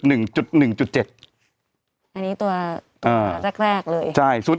หนึ่งจุดหนึ่งจุดเจ็ดอันนี้ตัวอ่าแรกเลยใช่สูตร